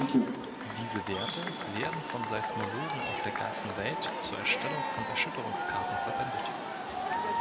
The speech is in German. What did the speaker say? Diese Werte werden von Seismologen auf der ganzen Welt zur Erstellung von Erschütterungskarten verwendet.